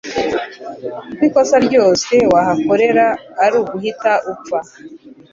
kuko ikosa ryose wahakorera ari uguhita upfa,